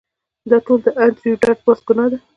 دا ټول د انډریو ډاټ باس ګناه ده